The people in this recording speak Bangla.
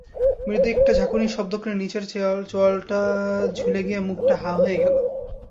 মৃদু একটা ঝাঁকুনির শব্দ করে নিচের চোয়ালটা ঝুলে গিয়ে মুখটা হাঁ হয়ে গেল।